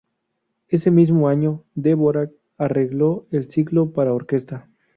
Ese mismo año Dvořák arregló el ciclo para orquesta.